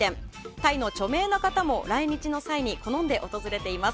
タイの著名な方も来日の際に好んで訪れています。